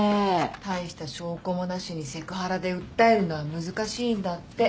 大した証拠もなしにセクハラで訴えるのは難しいんだって。